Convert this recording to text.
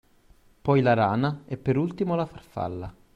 Poi la rana e per ultimo la farfalla.